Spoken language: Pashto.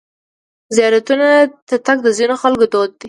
زیارتونو ته تګ د ځینو خلکو دود دی.